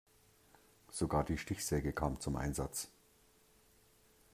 Sogar die Stichsäge kam zum Einsatz.